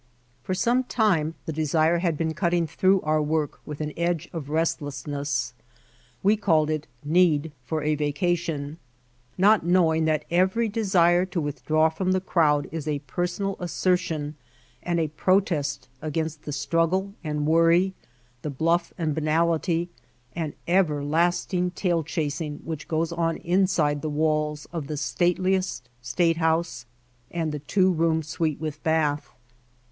For some time the desire had been cutting through our work with an edge of restlessness. We called it "Need for a Vacation," not knowing that every desire to withdraw from the crowd is a personal assertion and a protest against the struggle and worry, the bluff and banality and everlasting tail chasing which goes on inside the walls of the stateliest statehouse and the two room suite with bath.